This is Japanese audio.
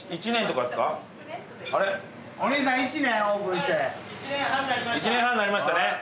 １年半になりましたね。